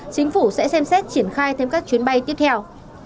chính phủ sẽ xem xét triển khai thêm các chuyến bay tiếp theo